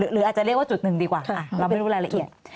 หรืออาจจะเรียกว่า๑จุดดีกว่าเราไม่รู้อะไรละเอียด